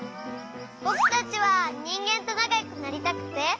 ぼくたちはにんげんとなかよくなりたくて。